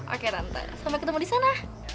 oke tante sampai ketemu disana